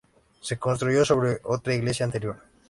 Se construyó sobre otra iglesia anterior.